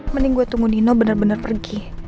mending gue tunggu nino bener bener pergi